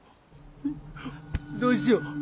どうしよう！